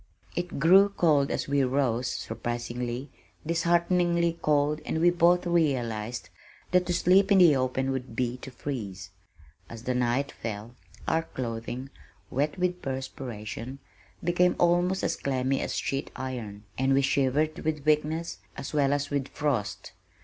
It grew cold as we rose, surprisingly, dishearteningly cold and we both realized that to sleep in the open would be to freeze. As the night fell, our clothing, wet with perspiration, became almost as clammy as sheet iron, and we shivered with weakness as well as with frost.